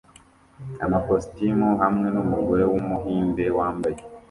amakositimu hamwe n’umugore wumuhinde wambaye